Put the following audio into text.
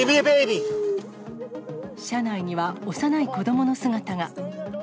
車内には幼い子どもの姿が。